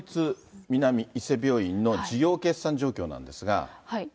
この町立南伊勢病院の事業決算状況なんですが。